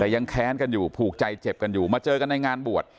แต่ยังแค้นกันอยู่ผูกใจเจ็บกันอยู่มาเจอกันในงานบวช